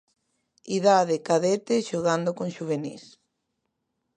Idade cadete xogando con xuvenís.